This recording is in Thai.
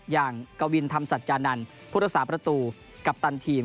อย่างกะวินธรรมสัจจานันท์พุทธศาสตร์ประตูกัปตันทีม